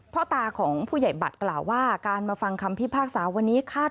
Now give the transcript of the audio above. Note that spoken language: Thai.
พ่อตาของผู้ใหญ่บัตรกล่าวว่าการมาฟังคำพิพากษาวันนี้คาด